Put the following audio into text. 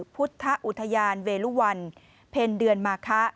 พุทธอุทยานเวรุวันเพ็ญเดือนมาคะ